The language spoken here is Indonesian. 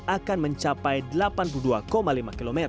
akan mencapai delapan puluh dua lima km